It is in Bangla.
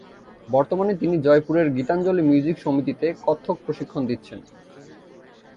বর্তমানে তিনি জয়পুরের গীতাঞ্জলি মিউজিক সমিতিতে কত্থক প্রশিক্ষণ দিচ্ছেন।